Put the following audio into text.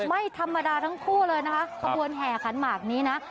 ไม่ธรรมดาทั้งคู่เลยนะคะขบวนแห่ขันหมากนี้นะ